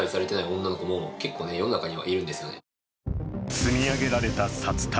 積み上げられた札束。